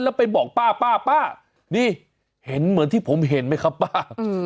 แล้วไปบอกป้าป้านี่เห็นเหมือนที่ผมเห็นไหมครับป้า